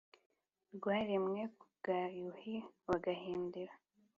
rwaremwe ku bwa yuhi wa gahindiro